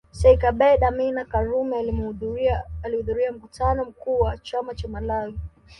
Sheikh Abeid Amani Karume alihudhuria mkutano mkuu wa chama cha Malawi